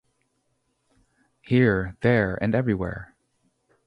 "Here, There and Everywhere".